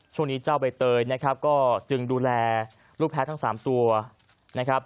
ช่วงนี้เจ้าใบเตยนะครับก็จึงดูแลลูกแพ้ทั้ง๓ตัวนะครับ